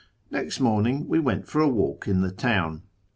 Next morning we went for a walk in tlie town.